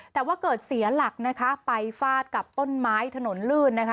แต่ว่าเกิดเสียหลักนะคะไปฟาดกับต้นไม้ถนนลื่นนะคะ